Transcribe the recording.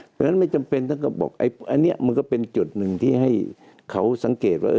เพราะฉะนั้นไม่จำเป็นท่านก็บอกอันนี้มันก็เป็นจุดหนึ่งที่ให้เขาสังเกตว่า